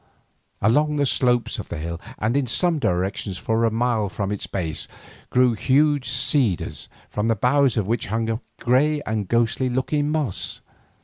Along the slopes of the hill, and in some directions for a mile from its base, grew huge cedar trees from the boughs of which hung a grey and ghostly looking moss.